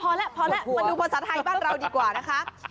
พอแล้วพอแล้วมาดูภาษาไทยบ้านเราดีกว่านะคะ